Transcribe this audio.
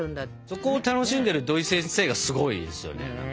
そこを楽しんでる土井先生がすごいですよね。